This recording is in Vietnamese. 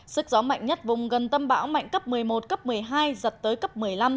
sức gió mạnh nhất vùng gần tâm bão mạnh cấp một mươi một cấp một mươi hai giật tới cấp một mươi năm